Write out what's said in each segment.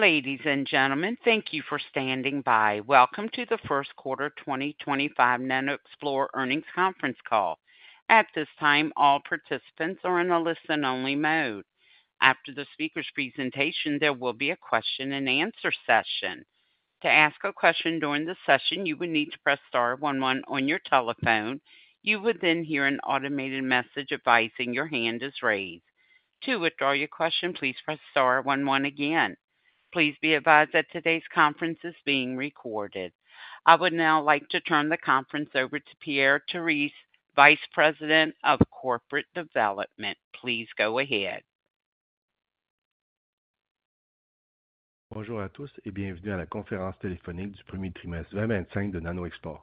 Ladies and gentlemen, thank you for standing by. Welcome to the first quarter 2025 NanoXplore Earnings Conference Call. At this time, all participants are in a listen-only mode. After the speaker's presentation, there will be a question-and-answer session. To ask a question during the session, you will need to press star one one on your telephone. You will then hear an automated message advising your hand is raised. To withdraw your question, please press star one one again. Please be advised that today's conference is being recorded. I would now like to turn the conference over to Pierre-Yves Terrisse, Vice President of Corporate Development. Please go ahead. Bonjour à tous et bienvenue à la conférence téléphonique du premier trimestre 2025 de NanoXplore.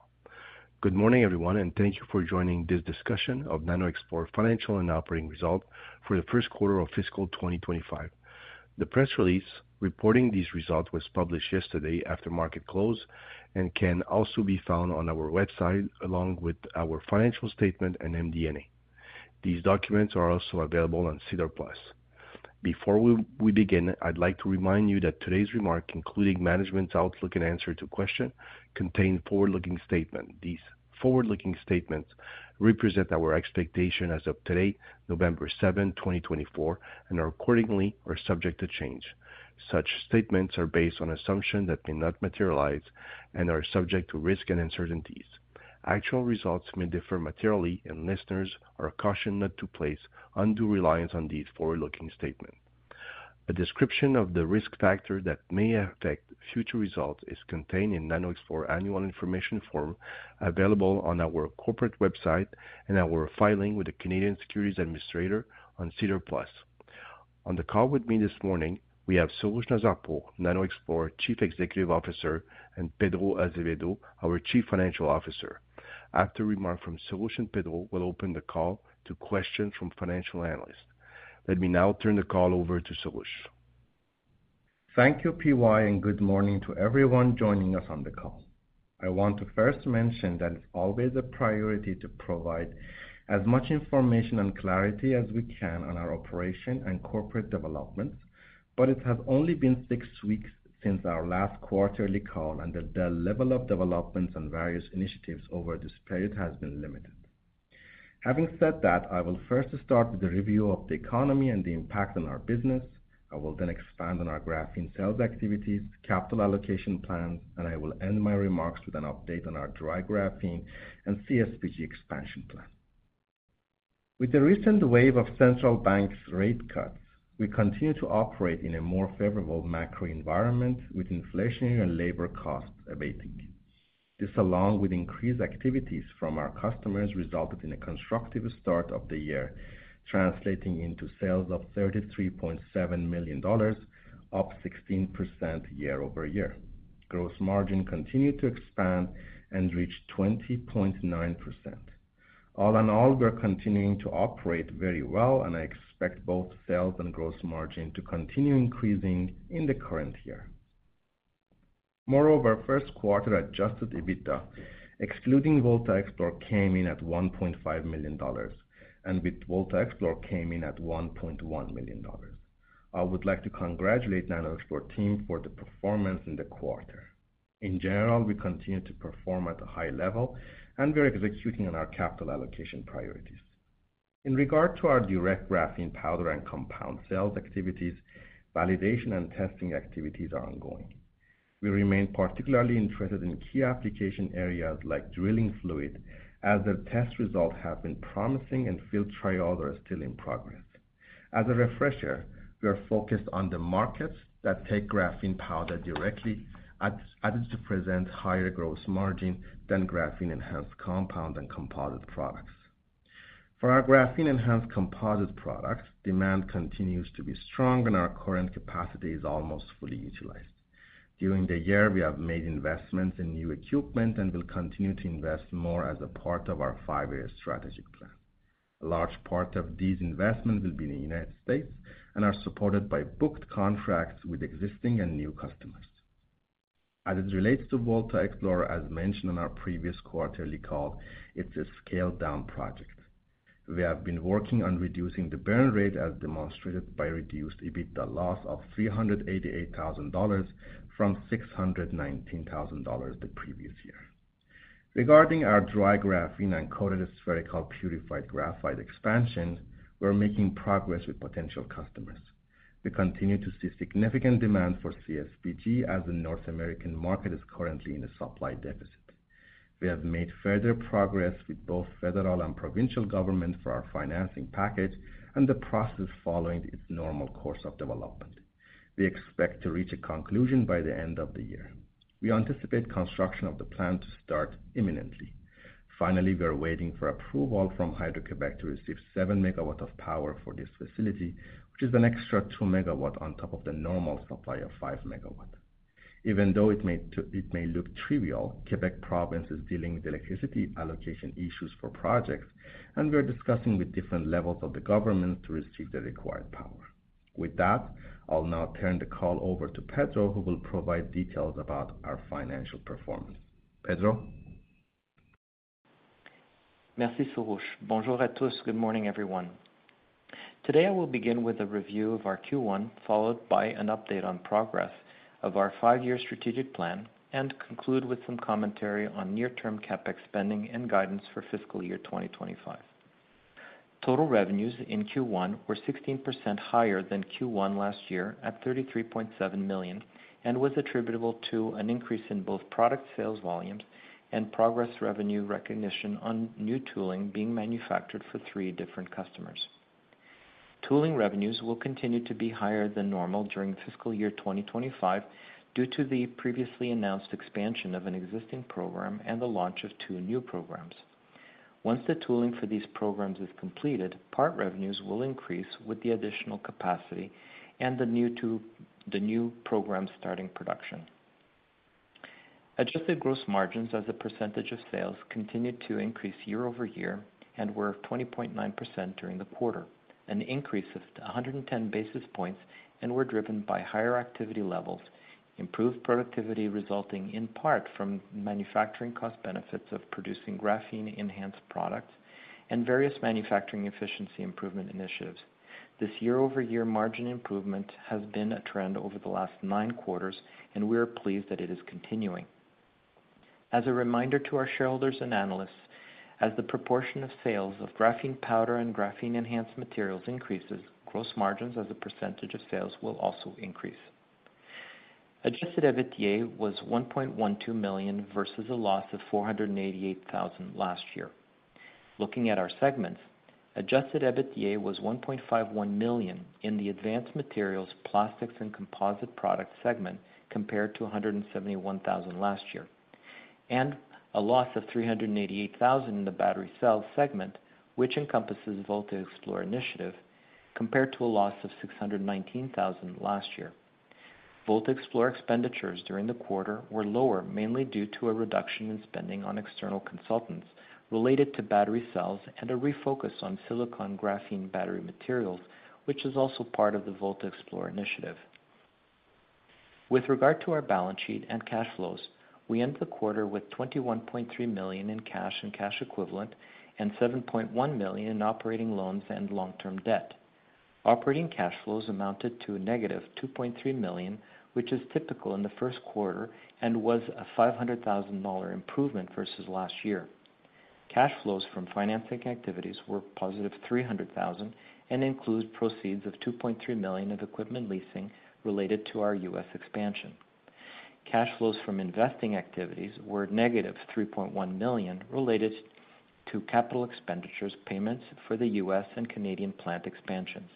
Good morning, everyone, and thank you for joining this discussion of NanoXplore financial and operating results for the first quarter of fiscal 2025. The press release reporting these results was published yesterday after market close and can also be found on our website along with our financial statement and MD&A. These documents are also available on SEDAR+. Before we begin, I'd like to remind you that today's remarks, including management's outlook and answer to questions, contain forward-looking statements. These forward-looking statements represent our expectations as of today, November 7, 2024, and are accordingly subject to change. Such statements are based on assumptions that may not materialize and are subject to risk and uncertainties. Actual results may differ materially, and listeners are cautioned not to place undue reliance on these forward-looking statements. A description of the risk factors that may affect future results is contained in NanoXplore's Annual Information Form available on our corporate website and our filing with the Canadian Securities Administrators on SEDAR+. On the call with me this morning, we have Soroush Nazarpour, NanoXplore's Chief Executive Officer, and Pedro Azevedo, our Chief Financial Officer. After remarks from Soroush and Pedro, we'll open the call to questions from financial analysts. Let me now turn the call over to Soroush. Thank you, PY, and good morning to everyone joining us on the call. I want to first mention that it's always a priority to provide as much information and clarity as we can on our operation and corporate developments, but it has only been six weeks since our last quarterly call, and the level of developments and various initiatives over this period has been limited. Having said that, I will first start with a review of the economy and the impact on our business. I will then expand on our graphene sales activities, capital allocation plans, and I will end my remarks with an update on our dry graphene and CSPG expansion plan. With the recent wave of central banks' rate cuts, we continue to operate in a more favorable macro environment, with inflation and labor costs abating. This, along with increased activities from our customers, resulted in a constructive start of the year, translating into sales of 33.7 million dollars, up 16% year-over-year. Gross margin continued to expand and reach 20.9%. All in all, we're continuing to operate very well, and I expect both sales and gross margin to continue increasing in the current year. Moreover, first quarter Adjusted EBITDA, excluding VoltaXplore, came in at 1.5 million dollars, and with VoltaXplore, it came in at 1.1 million dollars. I would like to congratulate the NanoXplore team for the performance in the quarter. In general, we continue to perform at a high level, and we're executing on our capital allocation priorities. In regard to our direct graphene powder and compound sales activities, validation and testing activities are ongoing. We remain particularly interested in key application areas like drilling fluid, as the test results have been promising and field trials are still in progress. As a refresher, we are focused on the markets that take graphene powder directly, as it presents higher gross margin than graphene-enhanced composite products. For our graphene-enhanced composite products, demand continues to be strong, and our current capacity is almost fully utilized. During the year, we have made investments in new equipment and will continue to invest more as a part of our five-year strategic plan. A large part of these investments will be in the United States and are supported by booked contracts with existing and new customers. As it relates to VoltaXplore, as mentioned in our previous quarterly call, it's a scaled-down project. We have been working on reducing the burn rate, as demonstrated by reduced EBITDA loss of 388,000 dollars from 619,000 dollars the previous year. Regarding our dry graphene and coated spherical purified graphite expansion, we're making progress with potential customers. We continue to see significant demand for CSBG, as the North American market is currently in a supply deficit. We have made further progress with both federal and provincial governments for our financing package, and the process is following its normal course of development. We expect to reach a conclusion by the end of the year. We anticipate construction of the plant to start imminently. Finally, we are waiting for approval from Hydro-Québec to receive 7 megawatts of power for this facility, which is an extra 2 megawatts on top of the normal supply of 5 megawatts. Even though it may look trivial, Québec Province is dealing with electricity allocation issues for projects, and we are discussing with different levels of the government to receive the required power. With that, I'll now turn the call over to Pedro, who will provide details about our financial performance. Pedro? Merci, Soroush. Bonjour à tous, good morning, everyone. Today, I will begin with a review of our Q1, followed by an update on progress of our five-year strategic plan, and conclude with some commentary on near-term CapEx spending and guidance for fiscal year 2025. Total revenues in Q1 were 16% higher than Q1 last year at 33.7 million and were attributable to an increase in both product sales volumes and progress revenue recognition on new tooling being manufactured for three different customers. Tooling revenues will continue to be higher than normal during fiscal year 2025 due to the previously announced expansion of an existing program and the launch of two new programs. Once the tooling for these programs is completed, part revenues will increase with the additional capacity and the new programs starting production. Adjusted gross margins, as a percentage of sales, continued to increase year-over-year and were 20.9% during the quarter, an increase of 110 basis points, and were driven by higher activity levels, improved productivity resulting in part from manufacturing cost benefits of producing graphene-enhanced products, and various manufacturing efficiency improvement initiatives. This year-over-year margin improvement has been a trend over the last nine quarters, and we are pleased that it is continuing. As a reminder to our shareholders and analysts, as the proportion of sales of graphene powder and graphene-enhanced materials increases, gross margins as a percentage of sales will also increase. Adjusted EBITDA was 1.12 million versus a loss of 488,000 last year. Looking at our segments, Adjusted EBITDA was 1.51 million in the advanced materials, plastics, and composite products segment compared to 171,000 last year, and a loss of 388,000 in the battery cells segment, which encompasses VoltaXplore Initiative, compared to a loss of 619,000 last year. VoltaXplore expenditures during the quarter were lower, mainly due to a reduction in spending on external consultants related to battery cells and a refocus on silicon graphene battery materials, which is also part of the VoltaXplore Initiative. With regard to our balance sheet and cash flows, we end the quarter with 21.3 million in cash and cash equivalent and 7.1 million in operating loans and long-term debt. Operating cash flows amounted to negative 2.3 million, which is typical in the first quarter and was a 500,000 dollar improvement versus last year. Cash flows from financing activities were positive 300,000 and include proceeds of 2.3 million of equipment leasing related to our U.S. expansion. Cash flows from investing activities were negative 3.1 million related to capital expenditures payments for the U.S. and Canadian plant expansions.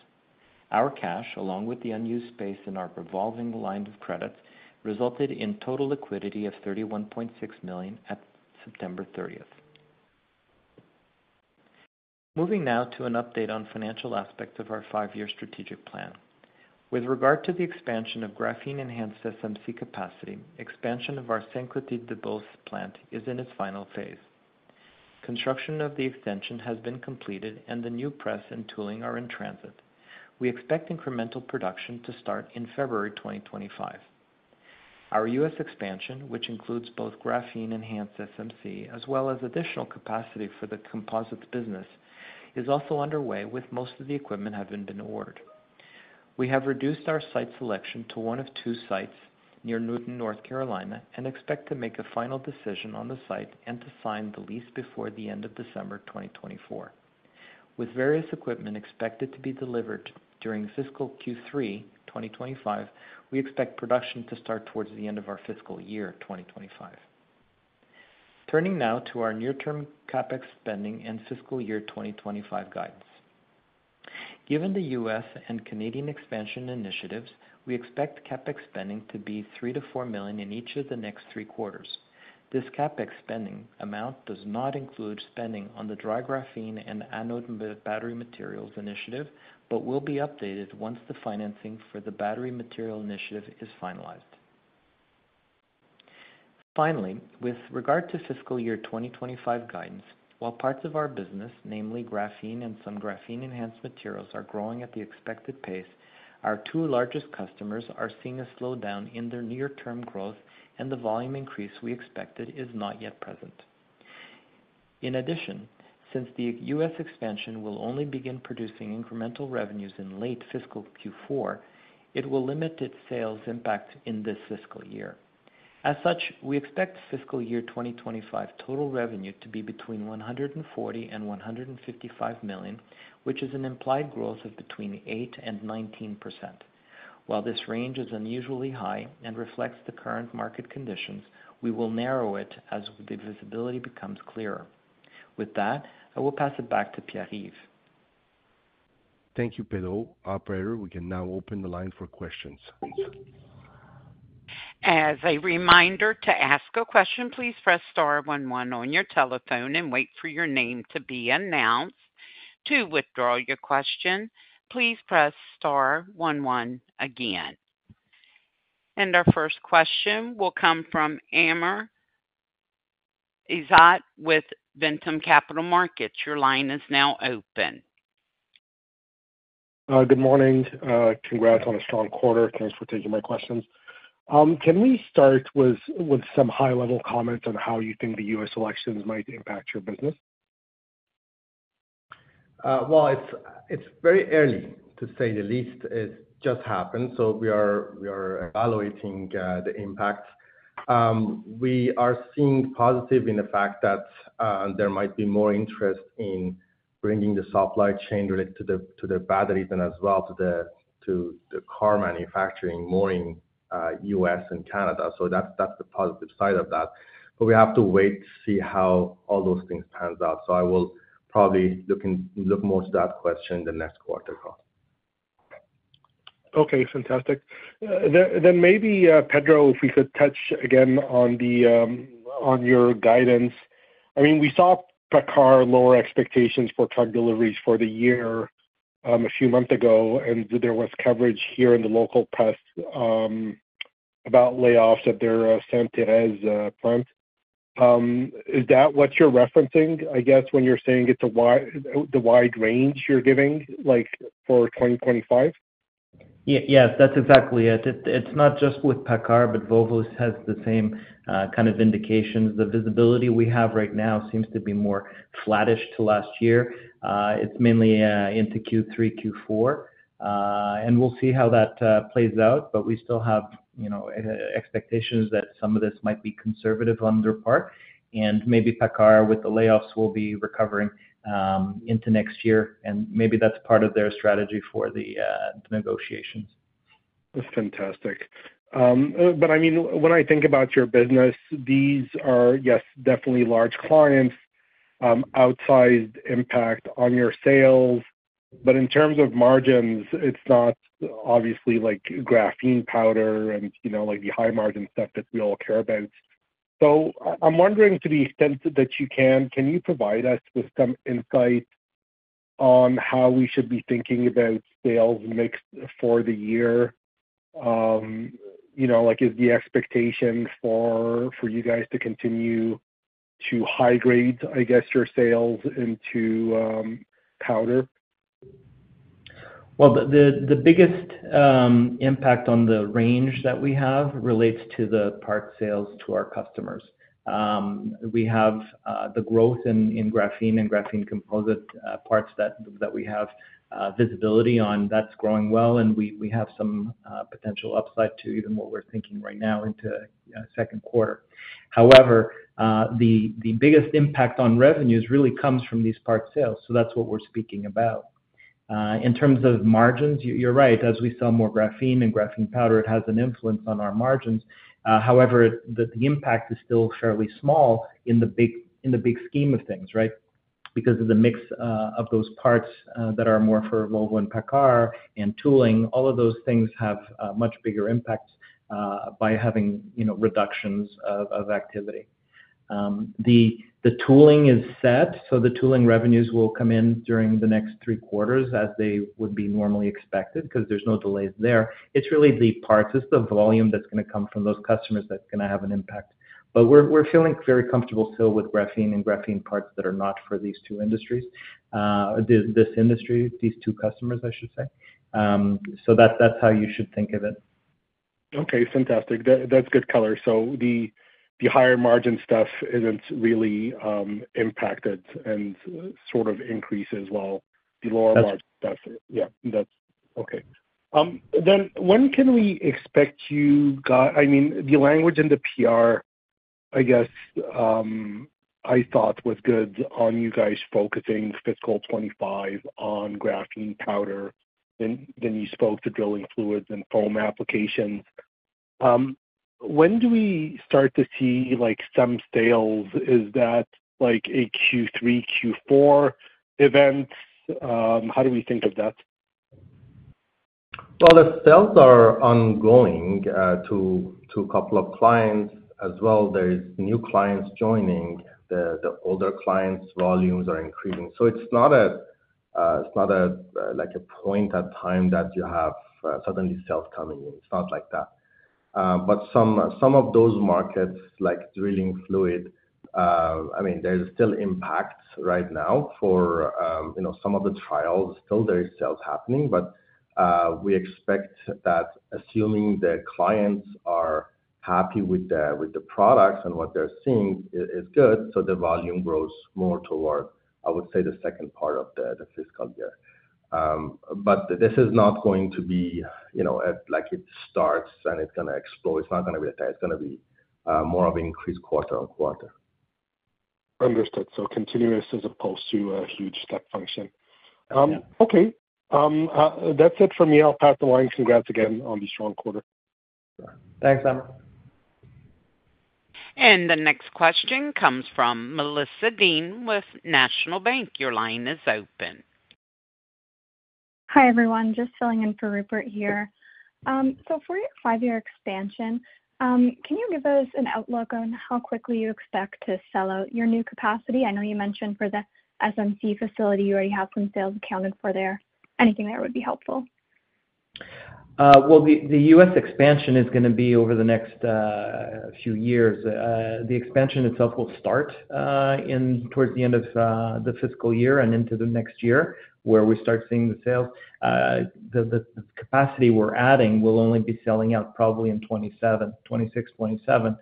Our cash, along with the unused space in our revolving line of credit, resulted in total liquidity of 31.6 million at September 30th. Moving now to an update on financial aspects of our five-year strategic plan. With regard to the expansion of graphene-enhanced SMC capacity, expansion of our Sainte-Clotilde-de-Beauce plant is in its final phase. Construction of the extension has been completed, and the new press and tooling are in transit. We expect incremental production to start in February 2025. Our U.S. expansion, which includes both graphene-enhanced SMC as well as additional capacity for the composites business, is also underway, with most of the equipment having been ordered. We have reduced our site selection to one of two sites near Newton, North Carolina, and expect to make a final decision on the site and to sign the lease before the end of December 2024. With various equipment expected to be delivered during fiscal Q3 2025, we expect production to start towards the end of our fiscal year 2025. Turning now to our near-term CapEx spending and fiscal year 2025 guidance. Given the U.S. and Canadian expansion initiatives, we expect CapEx spending to be 3-4 million in each of the next three quarters. This CapEx spending amount does not include spending on the dry graphene and anode battery materials initiative but will be updated once the financing for the battery material initiative is finalized. Finally, with regard to fiscal year 2025 guidance, while parts of our business, namely graphene and some graphene-enhanced materials, are growing at the expected pace, our two largest customers are seeing a slowdown in their near-term growth, and the volume increase we expected is not yet present. In addition, since the U.S. expansion will only begin producing incremental revenues in late fiscal Q4, it will limit its sales impact in this fiscal year. As such, we expect fiscal year 2025 total revenue to be between 140 million and 155 million, which is an implied growth of between 8% and 19%. While this range is unusually high and reflects the current market conditions, we will narrow it as the visibility becomes clearer. With that, I will pass it back to Pierre-Yves. Thank you, Pedro. Operator, we can now open the line for questions. As a reminder to ask a question, please press star one one on your telephone and wait for your name to be announced. To withdraw your question, please press star one one again. Our first question will come from Amr Ezzat with Ventum Capital Markets. Your line is now open. Good morning. Congrats on a strong quarter. Thanks for taking my questions. Can we start with some high-level comments on how you think the U.S. elections might impact your business? Well, it's very early, to say the least. It just happened, so we are evaluating the impacts. We are seeing positives in the fact that there might be more interest in bringing the supply chain related to the batteries and as well to the car manufacturing more in the U.S. and Canada. So that's the positive side of that. But we have to wait to see how all those things pans out. So I will probably look more to that question in the next quarter call. Okay, fantastic. Then maybe, Pedro, if we could touch again on your guidance. I mean, we saw PACCAR lower expectations for truck deliveries for the year a few months ago, and there was coverage here in the local press about layoffs at their Sainte-Thérèse plant. Is that what you're referencing, I guess, when you're saying it's the wide range you're giving for 2025? Yes, that's exactly it. It's not just with PACCAR, but Volvo has the same kind of indications. The visibility we have right now seems to be more flattish to last year. It's mainly into Q3, Q4, and we'll see how that plays out, but we still have expectations that some of this might be conservative on their part, and maybe PACCAR, with the layoffs, will be recovering into next year, and maybe that's part of their strategy for the negotiations. That's fantastic, but I mean, when I think about your business, these are, yes, definitely large clients, outsized impact on your sales, but in terms of margins, it's not obviously like graphene powder and the high-margin stuff that we all care about, so I'm wondering, to the extent that you can, can you provide us with some insight on how we should be thinking about sales mix for the year? Is the expectation for you guys to continue to high-grade, I guess, your sales into powder? The biggest impact on the range that we have relates to the part sales to our customers. We have the growth in graphene and graphene composite parts that we have visibility on. That's growing well, and we have some potential upside to even what we're thinking right now into second quarter. However, the biggest impact on revenues really comes from these part sales. So that's what we're speaking about. In terms of margins, you're right. As we sell more graphene and graphene powder, it has an influence on our margins. However, the impact is still fairly small in the big scheme of things, right? Because of the mix of those parts that are more for Volvo and PACCAR and tooling, all of those things have much bigger impact by having reductions of activity. The tooling is set, so the tooling revenues will come in during the next three quarters as they would be normally expected because there's no delays there. It's really the parts. It's the volume that's going to come from those customers that's going to have an impact. But we're feeling very comfortable still with graphene and graphene parts that are not for these two industries, this industry, these two customers, I should say. So that's how you should think of it. Okay, fantastic. That's good color. So the higher margin stuff isn't really impacted and sort of increases while the lower margin stuff. That's right. Yeah. Okay. Then when can we expect you got? I mean, the language in the PR, I guess I thought was good on you guys focusing fiscal 2025 on graphene powder. Then you spoke to drilling fluids and foam applications. When do we start to see some sales? Is that a Q3, Q4 event? How do we think of that? The sales are ongoing to a couple of clients as well. There are new clients joining. The older clients' volumes are increasing. So it's not at a point in time that you have suddenly sales coming in. It's not like that. But some of those markets, like drilling fluid, I mean, there's still impact right now for some of the trials. Still, there are sales happening, but we expect that assuming the clients are happy with the products and what they're seeing is good, so the volume grows more toward, I would say, the second part of the fiscal year. But this is not going to be like it starts and it's going to explode. It's not going to be like that. It's going to be more of an increase quarter on quarter. Understood. So continuous as opposed to a huge step function. Okay. That's it for me. I'll pass the line. Congrats again on the strong quarter. Thanks, Amr. The next question comes from Melissa Dean with National Bank. Your line is open. Hi everyone. Just filling in for Rupert here. So for your five-year expansion, can you give us an outlook on how quickly you expect to sell out your new capacity? I know you mentioned for the SMC facility, you already have some sales accounted for there. Anything there would be helpful. The U.S. expansion is going to be over the next few years. The expansion itself will start towards the end of the fiscal year and into the next year where we start seeing the sales. The capacity we're adding will only be selling out probably in 2026, 2027.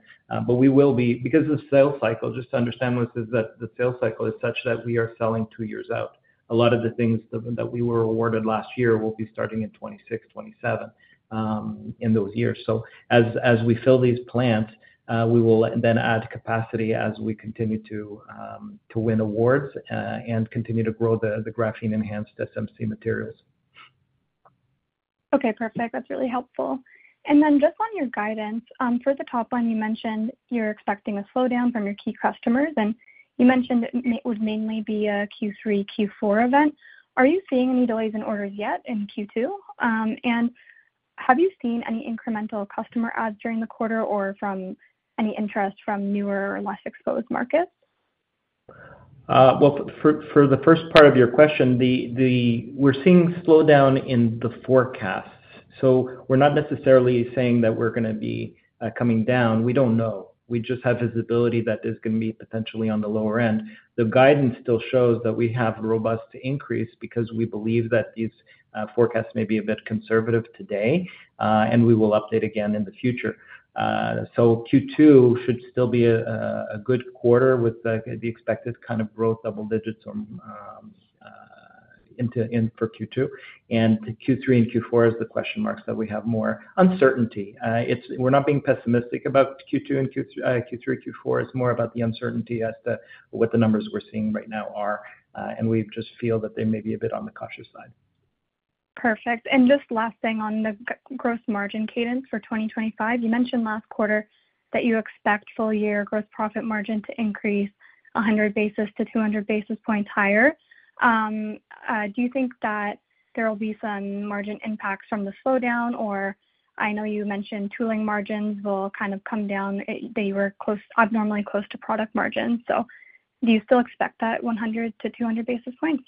But we will be, because of the sales cycle, just to understand this, is that the sales cycle is such that we are selling two years out. A lot of the things that we were awarded last year will be starting in 2026, 2027 in those years. So as we fill these plants, we will then add capacity as we continue to win awards and continue to grow the graphene-enhanced SMC materials. Okay, perfect. That's really helpful. And then just on your guidance, for the top line, you mentioned you're expecting a slowdown from your key customers, and you mentioned it would mainly be a Q3, Q4 event. Are you seeing any delays in orders yet in Q2? And have you seen any incremental customer adds during the quarter or from any interest from newer or less exposed markets? For the first part of your question, we're seeing a slowdown in the forecasts. We're not necessarily saying that we're going to be coming down. We don't know. We just have visibility that there's going to be potentially on the lower end. The guidance still shows that we have a robust increase because we believe that these forecasts may be a bit conservative today, and we will update again in the future. Q2 should still be a good quarter with the expected kind of growth double digits for Q2. Q3 and Q4 is the question marks that we have more uncertainty. We're not being pessimistic about Q2 and Q3, Q4. It's more about the uncertainty as to what the numbers we're seeing right now are. We just feel that they may be a bit on the cautious side. Perfect. And just last thing on the gross margin cadence for 2025. You mentioned last quarter that you expect full-year gross profit margin to increase 100 to 200 basis points higher. Do you think that there will be some margin impacts from the slowdown? Or I know you mentioned tooling margins will kind of come down. They were abnormally close to product margins. So do you still expect that 100 to 200 basis points?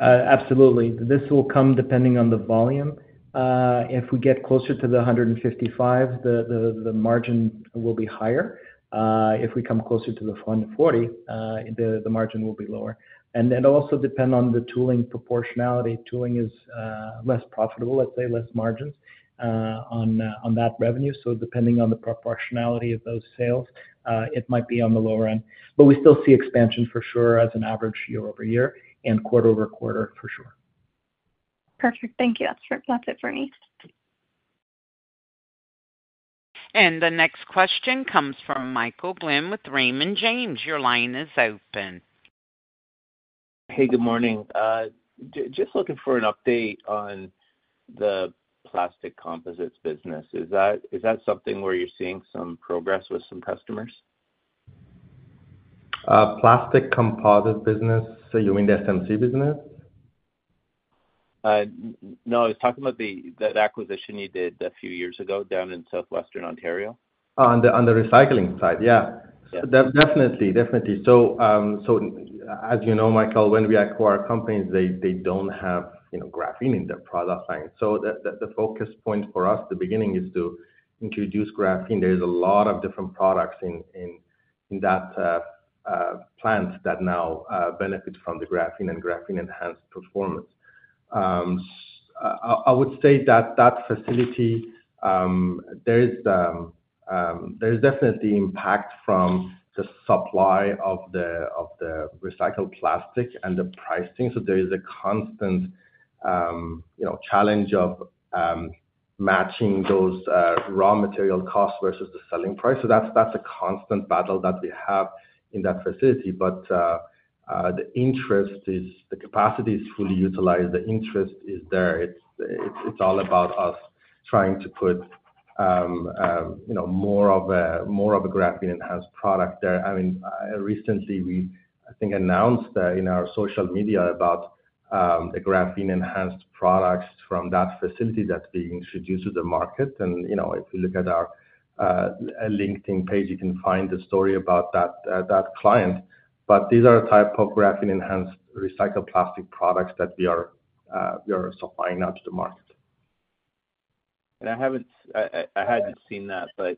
Absolutely. This will come depending on the volume. If we get closer to the 155, the margin will be higher. If we come closer to the 140, the margin will be lower. And it also depends on the tooling proportionality. Tooling is less profitable, let's say, less margins on that revenue. So depending on the proportionality of those sales, it might be on the lower end. But we still see expansion for sure as an average year-over-year and quarter-over-quarter for sure. Perfect. Thank you. That's it for me. The next question comes from Michael Glen with Raymond James. Your line is open. Hey, good morning. Just looking for an update on the plastic composites business. Is that something where you're seeing some progress with some customers? Plastic composite business? You mean the SMC business? No. I was talking about that acquisition you did a few years ago down in Southwestern Ontario. On the recycling side, yeah. Definitely. Definitely. So as you know, Michael, when we acquire companies, they don't have graphene in their product line. So the focus point for us at the beginning is to introduce graphene. There's a lot of different products in that plant that now benefit from the graphene and graphene-enhanced performance. I would say that that facility, there's definitely impact from the supply of the recycled plastic and the pricing. So there is a constant challenge of matching those raw material costs versus the selling price. So that's a constant battle that we have in that facility. But the interest is the capacity is fully utilized. The interest is there. It's all about us trying to put more of a graphene-enhanced product there. I mean, recently, I think announced in our social media about the graphene-enhanced products from that facility that's being introduced to the market. If you look at our LinkedIn page, you can find the story about that client. These are the type of graphene-enhanced recycled plastic products that we are supplying out to the market. I hadn't seen that, but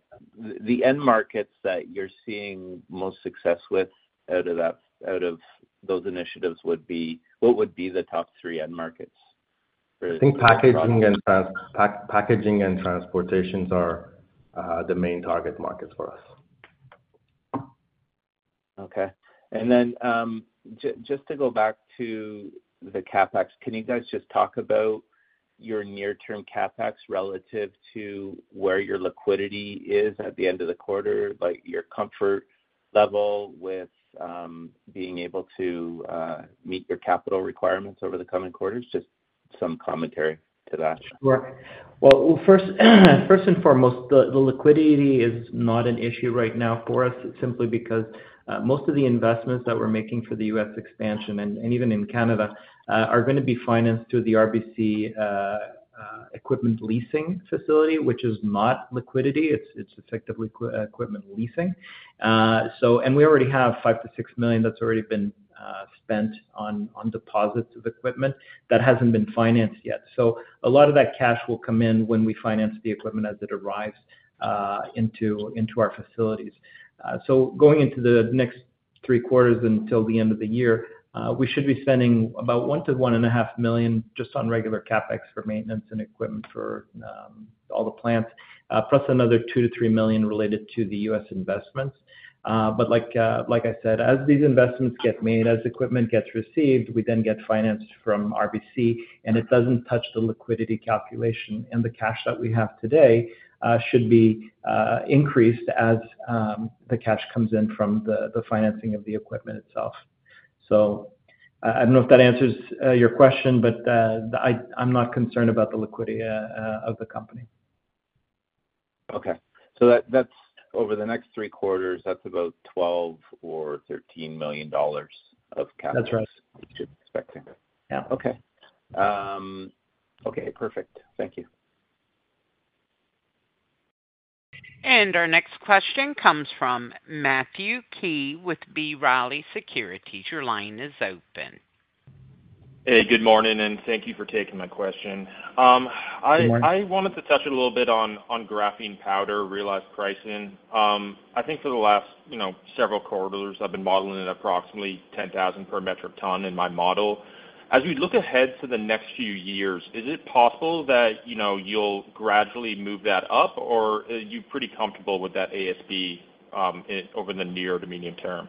the end markets that you're seeing most success with out of those initiatives would be what would be the top three end markets? I think packaging and transportation are the main target markets for us. Okay. And then just to go back to the CapEx, can you guys just talk about your near-term CapEx relative to where your liquidity is at the end of the quarter, like your comfort level with being able to meet your capital requirements over the coming quarters? Just some commentary to that. Sure. Well, first and foremost, the liquidity is not an issue right now for us simply because most of the investments that we're making for the U.S. expansion, and even in Canada, are going to be financed through the RBC equipment leasing facility, which is not liquidity. It's effectively equipment leasing. And we already have 5-6 million that's already been spent on deposits of equipment that hasn't been financed yet. So a lot of that cash will come in when we finance the equipment as it arrives into our facilities. So going into the next three quarters until the end of the year, we should be spending about 1-1.5 million just on regular CapEx for maintenance and equipment for all the plants, plus another 2-3 million related to the U.S. investments. But like I said, as these investments get made, as equipment gets received, we then get financed from RBC, and it doesn't touch the liquidity calculation. And the cash that we have today should be increased as the cash comes in from the financing of the equipment itself. So I don't know if that answers your question, but I'm not concerned about the liquidity of the company. Okay. So over the next three quarters, that's about 12 million or 13 million dollars of CapEx that you're expecting. That's right. Yeah. Okay. Okay. Perfect. Thank you. Our next question comes from Matthew Key with B. Riley Securities. Your line is open. Hey, good morning, and thank you for taking my question. I wanted to touch a little bit on graphene powder, realized pricing. I think for the last several quarters, I've been modeling at approximately 10,000 per metric ton in my model. As we look ahead to the next few years, is it possible that you'll gradually move that up, or are you pretty comfortable with that ASP over the near to medium term?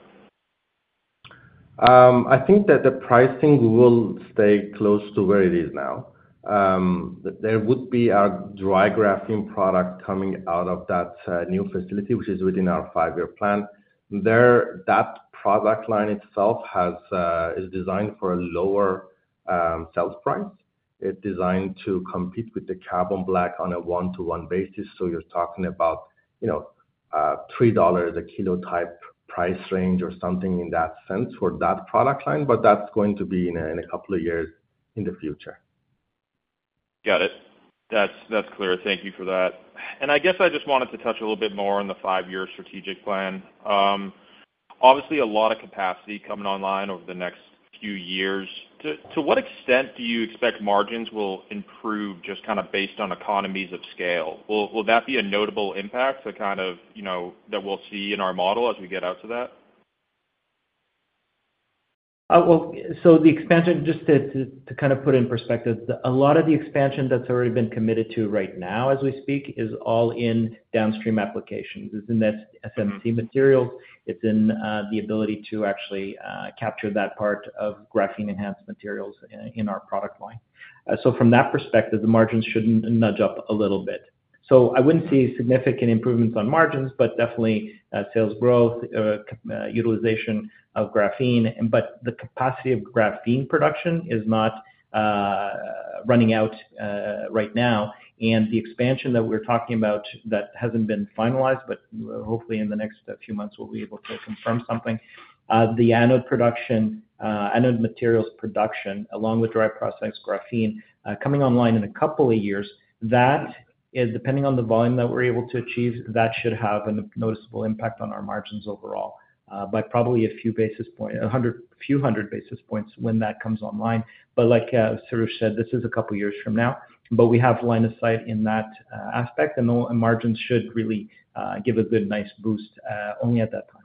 I think that the pricing will stay close to where it is now. There would be a dry graphene product coming out of that new facility, which is within our five-year plan. That product line itself is designed for a lower sales price. It's designed to compete with the carbon black on a one-to-one basis. So you're talking about 3 dollars a kilo type price range or something in that sense for that product line, but that's going to be in a couple of years in the future. Got it. That's clear. Thank you for that. I guess I just wanted to touch a little bit more on the five-year strategic plan. Obviously, a lot of capacity coming online over the next few years. To what extent do you expect margins will improve just kind of based on economies of scale? Will that be a notable impact that kind of we'll see in our model as we get out to that? Well, so the expansion, just to kind of put it in perspective, a lot of the expansion that's already been committed to right now as we speak is all in downstream applications. It's in SMC materials. It's in the ability to actually capture that part of graphene-enhanced materials in our product line. So from that perspective, the margins should nudge up a little bit. So I wouldn't see significant improvements on margins, but definitely sales growth, utilization of graphene. But the capacity of graphene production is not running out right now. And the expansion that we're talking about that hasn't been finalized, but hopefully in the next few months, we'll be able to confirm something. The anode production, anode materials production, along with dry process graphene, coming online in a couple of years, that is, depending on the volume that we're able to achieve, that should have a noticeable impact on our margins overall by probably a few basis points, a few hundred basis points when that comes online. But like Soroush said, this is a couple of years from now, but we have line of sight in that aspect, and the margins should really give a good nice boost only at that time.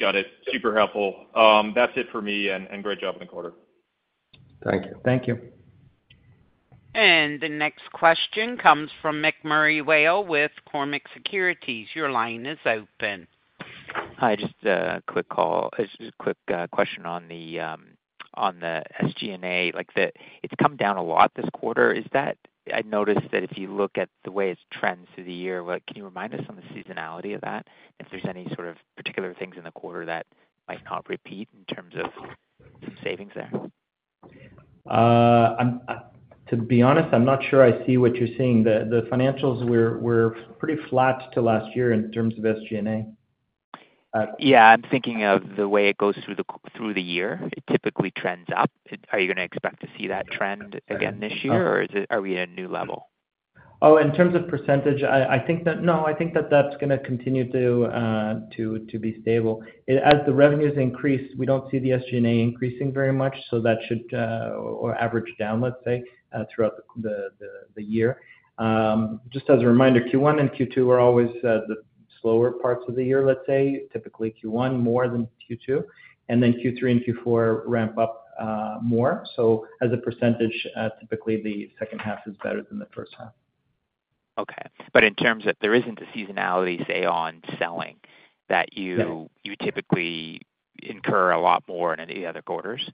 Got it. Super helpful. That's it for me, and great job in the quarter. Thank you. Thank you. The next question comes from MacMurray Whale with Cormark Securities. Your line is open. Hi. Just a quick call, quick question on the SG&A. It's come down a lot this quarter. I noticed that if you look at the way it's trend through the year, can you remind us on the seasonality of that? If there's any sort of particular things in the quarter that might not repeat in terms of some savings there? To be honest, I'm not sure I see what you're seeing. The financials were pretty flat to last year in terms of SG&A. Yeah. I'm thinking of the way it goes through the year. It typically trends up. Are you going to expect to see that trend again this year, or are we at a new level? Oh, in terms of percentage, I think that no, I think that that's going to continue to be stable. As the revenues increase, we don't see the SG&A increasing very much, so that should average down, let's say, throughout the year. Just as a reminder, Q1 and Q2 are always the slower parts of the year, let's say. Typically, Q1 more than Q2. And then Q3 and Q4 ramp up more. So as a percentage, typically the second half is better than the first half. Okay. But in terms of there isn't a seasonality, say, on selling that you typically incur a lot more in the other quarters?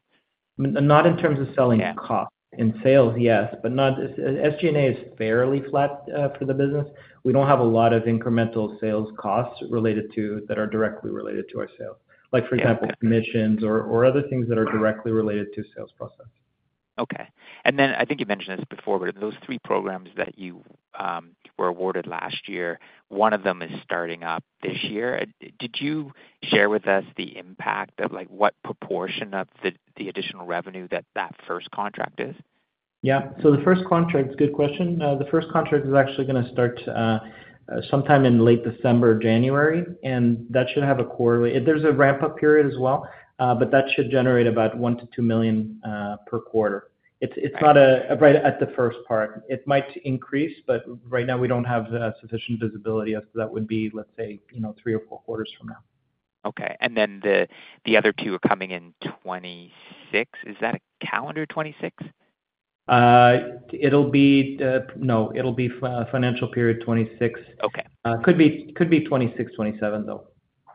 Not in terms of selling costs. In sales, yes, but SG&A is fairly flat for the business. We don't have a lot of incremental sales costs that are directly related to our sales, like for example, commissions or other things that are directly related to sales process. Okay. And then I think you mentioned this before, but in those three programs that you were awarded last year, one of them is starting up this year. Did you share with us the impact of what proportion of the additional revenue that that first contract is? Yeah. So the first contract is a good question. The first contract is actually going to start sometime in late December, January, and that should have a quarterly. There's a ramp-up period as well, but that should generate about 1 million-2 million per quarter. It's not right at the first part. It might increase, but right now we don't have sufficient visibility as to that would be, let's say, three or four quarters from now. Okay. And then the other two are coming in 2026. Is that a calendar 2026? It'll be no, it'll be financial period 2026. Okay. Could be 2026, 2027, though.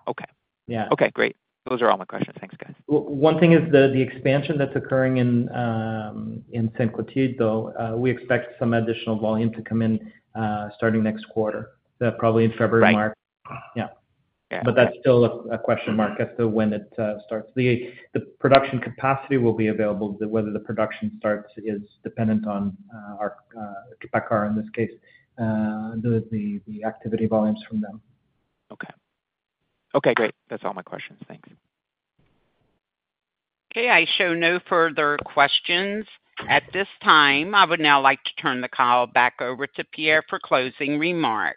Okay. Okay. Great. Those are all my questions. Thanks, guys. One thing is the expansion that's occurring in Sainte-Clotilde-de-Beauce, though. We expect some additional volume to come in starting next quarter, probably in February or March. Yeah. But that's still a question mark as to when it starts. The production capacity will be available. Whether the production starts is dependent on our PACCAR in this case, the activity volumes from them. Okay. Okay. Great. That's all my questions. Thanks. Okay. I show no further questions at this time. I would now like to turn the call back over to Pierre for closing remarks.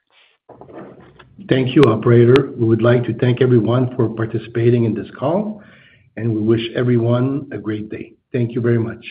Thank you, operator. We would like to thank everyone for participating in this call, and we wish everyone a great day. Thank you very much.